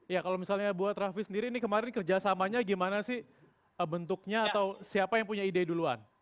ya kalau misalnya buat raffi sendiri ini kemarin kerjasamanya gimana sih bentuknya atau siapa yang punya ide duluan